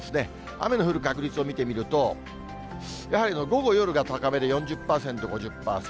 雨の降る確率を見てみると、やはり午後、夜が高めで、４０％、５０％。